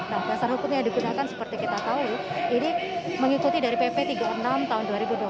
nah dasar hukum yang digunakan seperti kita tahu ini mengikuti dari pp tiga puluh enam tahun dua ribu dua puluh